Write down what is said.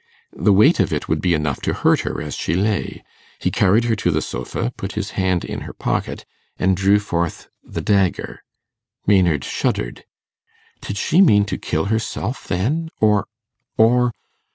The weight of it would be enough to hurt her as she lay. He carried her to the sofa, put his hand in her pocket, and drew forth the dagger. Maynard shuddered. Did she mean to kill herself, then, or ... or